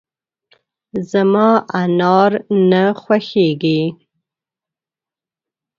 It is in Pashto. زما انار نه خوښېږي .